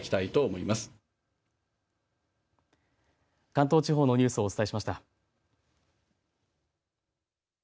関東地方のニュースをお伝えしました。